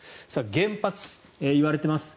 原発、いわれています。